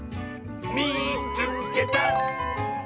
「みいつけた！」。